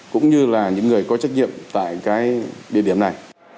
cũng như là những người có trách nhiệm tại cái địa điểm này